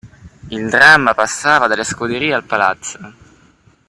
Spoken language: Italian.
Il dramma passava dalle scuderie al palazzo.